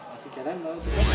masih jalan lho